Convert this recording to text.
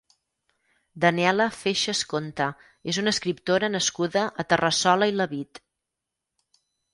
Daniela Feixas Conte és una escriptora nascuda a Terrassola i Lavit.